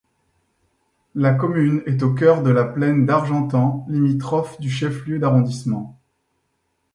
La commune est au cœur de la plaine d'Argentan, limitrophe du chef-lieu d'arrondissement.